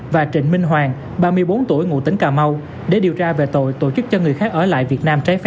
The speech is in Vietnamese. và trịnh minh hoàng ba mươi bốn tuổi ngụ tỉnh cà mau để điều tra về tội tổ chức cho người khác